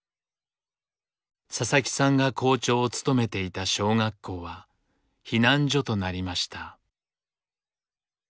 佐々木さんが校長を務めていた小学校は避難所となりました。